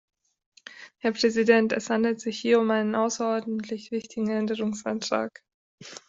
Herr Präsident, es handelt sich hier um einen außerordentlich wichtigen Änderungsantrag.